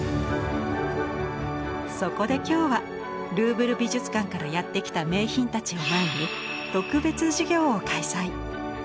そこで今日はルーヴル美術館からやって来た名品たちを前に特別授業を開催！